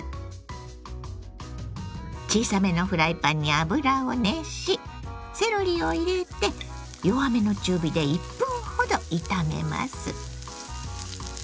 小さめのフライパンに油を熱しセロリを入れて弱めの中火で１分ほど炒めます。